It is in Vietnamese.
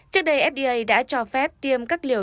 trước đây fda đã cho phép tiêm các liều